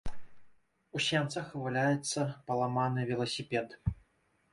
У сенцах валяецца паламаны веласіпед.